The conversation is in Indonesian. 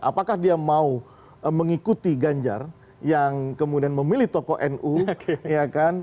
apakah dia mau mengikuti ganjar yang kemudian memilih tokoh nu ya kan